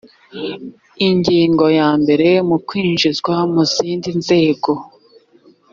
ingingo yambere ukwinjizwa mu zindi nzego